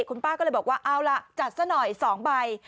คุณป้าก็เลยบอกว่าเอาล่ะจัดซะหน่อย๒ใบ